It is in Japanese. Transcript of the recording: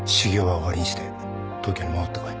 修行は終わりにして東京に戻ってこい。